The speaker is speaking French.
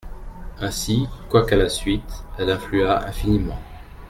Ainsi, quoiqu'à la suite, elle influa infiniment.